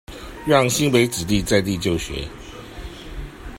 讓新北子弟在地就學